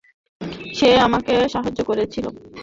সে আমাকে সাহায্য করেছিল।